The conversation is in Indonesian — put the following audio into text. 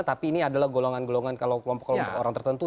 tapi ini adalah golongan golongan kalau kelompok kelompok orang tertentu